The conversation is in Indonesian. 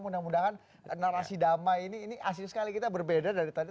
mudah mudahan narasi damai ini asli sekali kita berbeda dari tadi